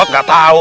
ah nggak tau